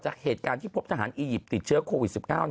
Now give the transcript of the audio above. จากเหตุการณ์ที่พบทหารอียิปต์ติดเชื้อโควิด๑๙